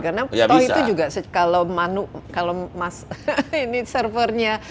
karena tau itu juga kalau mas ini servernya